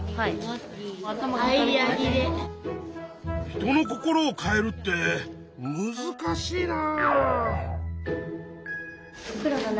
人の心を変えるってむずかしいな！